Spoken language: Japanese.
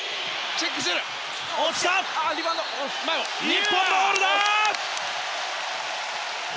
日本ボールだ！